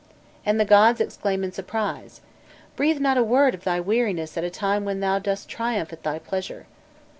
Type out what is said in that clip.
And the gods exclaim in surprise: "Breathe not a word of thy weariness at a time when thou dost triumph at thy pleasure."